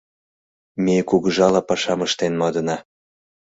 — Ме кугыжала пашам ыштен модына.